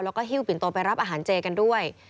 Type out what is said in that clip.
แล้วก็หิ้วปินโตไปรับอาหารเจกันด้วย